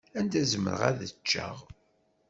Anda zemreɣ ad ččeɣ.